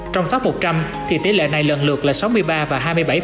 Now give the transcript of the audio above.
trong top một trăm linh thì tỷ lệ này lần lượt là sáu mươi ba và hai mươi bảy